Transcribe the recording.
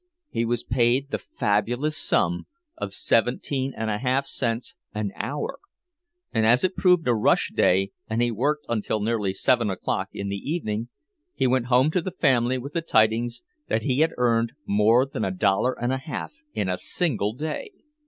He was paid the fabulous sum of seventeen and a half cents an hour; and as it proved a rush day and he worked until nearly seven o'clock in the evening, he went home to the family with the tidings that he had earned more than a dollar and a half in a single day!